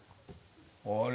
あれ？